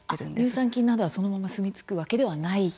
乳酸菌などはそのまますみつくわけではないと。